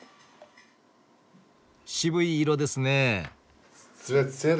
渋い色ですね？